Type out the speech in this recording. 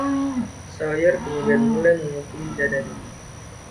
Sawyer kemudian mulai memukuli dadanya.